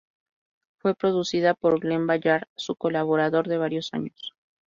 Fue producida por Glen Ballard, su colaborador de varios años.